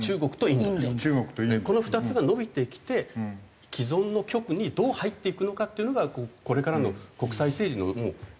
この２つが伸びてきて既存の極にどう入っていくのかっていうのがこれからの国際政治の焦点なんで。